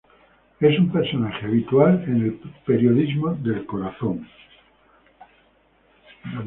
Es un personaje habitual en el periodismo del corazón.